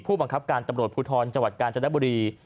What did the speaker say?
ผู้บังคับการตำรวจภูทรจังหวัดกาญจนบุรี